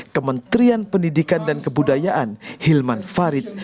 kementerian pendidikan dan kebudayaan hilman farid